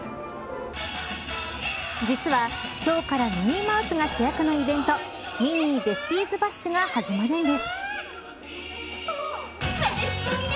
実は今日からミニーマウスが主役のイベントミニー・ベスティーズ・バッシュ！が始まるんです。